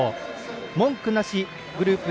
文句なしグループＡ